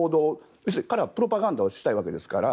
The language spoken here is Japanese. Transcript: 要するに彼はプロパガンダをしたいわけですから。